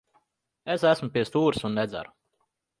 Es esmu pie stūres un nedzeru.